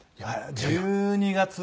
１２月の。